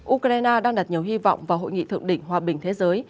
ukraine đang đặt nhiều hy vọng vào hội nghị thượng đỉnh hòa bình thế giới